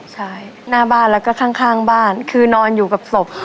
ใช่หน้าบ้านแล้วก็ข้างบ้านคือนอนอยู่กับศพ